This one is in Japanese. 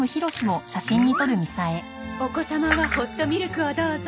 お子様はホットミルクをどうぞ。